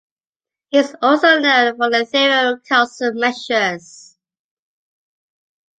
He is also known for the theory of Carleson measures.